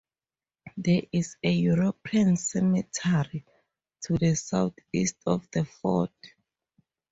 There is a European cemetery to the southeast of the fort.